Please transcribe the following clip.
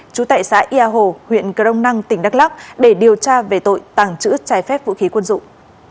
trú tại xã yà hồ huyện crong năng tỉnh đắk lắc để điều tra về tội tẳng chữ trái phép vũ khí quân dụng